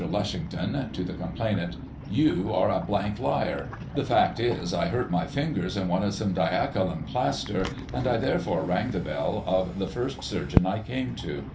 Lushington (to the complainant) : You are a liar. The fact is, I hurt my fingers and wanted some diachylum plaister, and I therefore rang the bell of the first surgeon I came to.